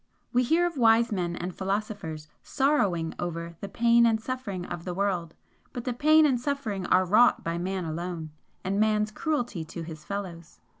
We hear of wise men and philosophers sorrowing over 'the pain and suffering of the world' but the pain and suffering are wrought by Man alone, and Man's cruelty to his fellows.